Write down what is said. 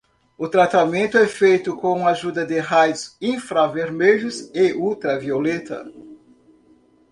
O tratamento é feito com ajuda de raios infravermelhos e ultravioleta.